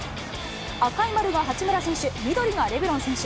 赤い丸が八村選手、緑がレブロン選手。